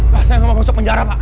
pak saya nggak mau masuk penjara pak